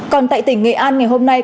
còn tại tỉnh nghệ an ngày hôm nay